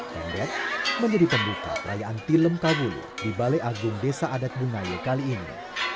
pendek menjadi pembuka perayaan tilem kawulu di balai agung desa adat bungaya kali ini